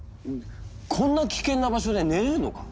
こんな危険な場所で寝れるのか？